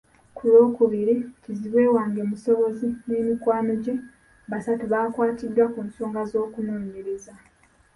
Ku Lwokubiri kizibwe wange Musobozi ne mikwano gye basatu baakwatiddwa ku nsonga z’okunoonyereza